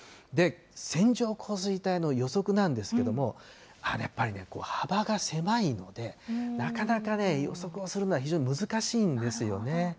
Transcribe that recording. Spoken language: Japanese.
線状降水帯の予測なんですけども、やっぱりね、幅が狭いので、なかなかね、予測をするのは非常に難しいんですよね。